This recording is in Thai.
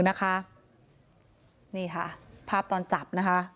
นี่ค่ะภาพตอนจับ